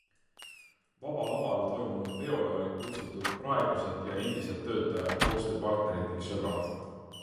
Vaba Laval toimunud peole olid kutsutud praegused ja endised töötajad, koostööpartnerid ning sõbrad.